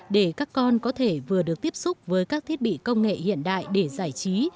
để các con có thể vừa được tiếp xúc với các thiết bị công nghệ hiện đại để giải trí